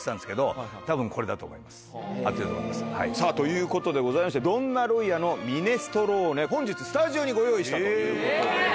さぁということでございましてドンナロイヤのミネストローネ本日スタジオにご用意したということでございます。